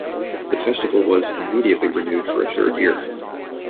The festival was immediately renewed for a third year.